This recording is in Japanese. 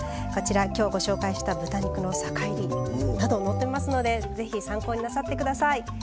今日、ご紹介した豚肉の酒いりなど載ってますのでぜひ参考になさってください。